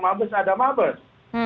mabes ada mabes